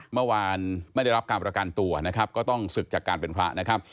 เมื่อวานไม่ได้รับการประกันตัวนะครับก็ต้องศึกจากการเป็นพระนะครับ